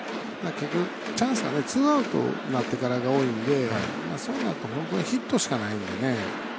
チャンスがツーアウトになってからが多いんでそうなると本当にヒットしかないんでね。